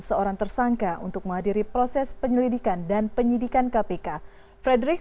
seorang tersangka untuk menghadiri proses penyelidikan dan penyidikan kpk frederick